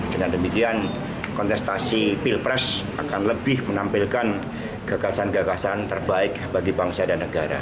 dengan demikian kontestasi pilpres akan lebih menampilkan gagasan gagasan terbaik bagi bangsa dan negara